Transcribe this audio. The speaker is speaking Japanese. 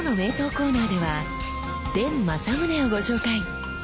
コーナーでは伝正宗をご紹介。